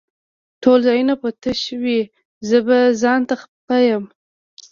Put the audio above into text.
ټول ځايونه به تش وي زه به ځانته خپه يم